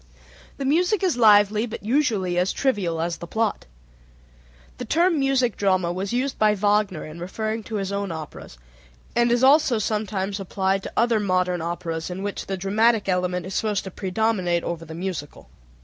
The music is lively, but usually as trivial as the plot. The term music drama was used by Wagner in referring to his own operas, and is also sometimes applied to other modern operas in which the dramatic element is supposed to predominate over the musical.